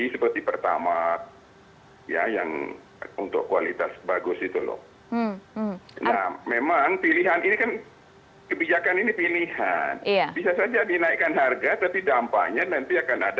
seperti itu kalau dinaikkan